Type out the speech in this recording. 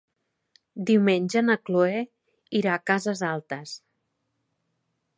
Diumenge na Cloè irà a Cases Altes.